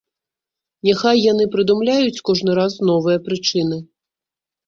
Няхай яны прыдумляюць кожны раз новыя прычыны.